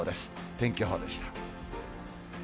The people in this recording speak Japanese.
天気予報でした。